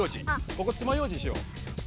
ここ「つまようじ」にしよう。